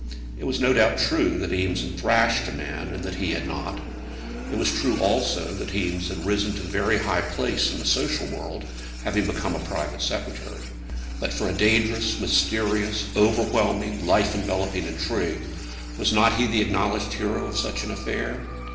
It was no doubt true that Eames had thrashed a man, and that he had not; it was true also that Eames had risen to very high place in the social world, having become a private secretary; but for a dangerous, mysterious, overwhelming, life enveloping intrigue was not he the acknowledged hero of such an affair?